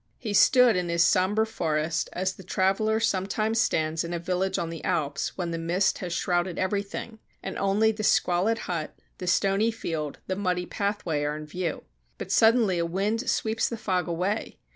He stood in his somber forest as the traveler sometimes stands in a village on the Alps when the mist has shrouded everything, and only the squalid hut, the stony field, the muddy pathway are in view. But suddenly a wind sweeps the fog away.